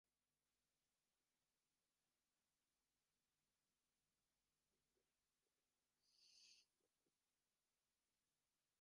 Ofisi ya Waziri Mkuu Tawala za Mikoa na Serikali za Mitaa Tamisemi Mheshimiwa